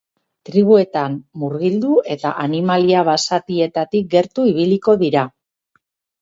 Tribuetan murgildu eta animalia basatietatik gertu ibiliko dira.